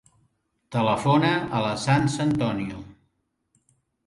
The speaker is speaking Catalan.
Telefona a la Sança Antonio.